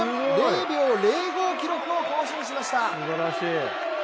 ０秒０５、記録を更新しました。